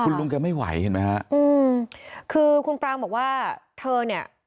ลุงแกไม่ไหวเห็นไหมฮะอืมคือคุณปรางบอกว่าเธอเนี่ย